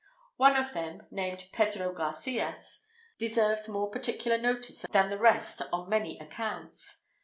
One of them, named Pedro Garcias, deserves more particular notice than the rest on many accounts.